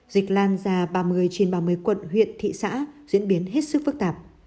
dịch lan ra ba mươi trên ba mươi quận huyện thị xã diễn biến hết sức phức tạp